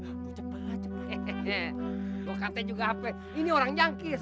hehehe kok katanya juga apa ini orang jangkis